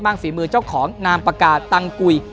มั่งฝีมือเจ้าของนามปากกาตังกุ๋ย